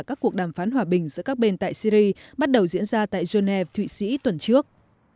các cuộc đàm phán hòa bình giữa các bên tại syri bắt đầu diễn ra tại geneva thụy sĩ tuần trước